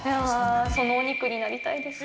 そのお肉になりたいです。